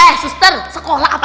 eh suster sekolah apa